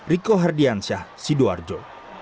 riko hardiansyah sidoarjo